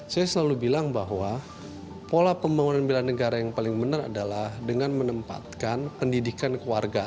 saya selalu bilang bahwa pola pembangunan bela negara yang paling benar adalah dengan menempatkan pendidikan keluarga